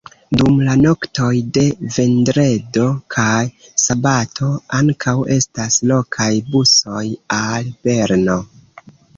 Dum la noktoj de vendredo kaj sabato ankaŭ estas lokaj busoj al Berno.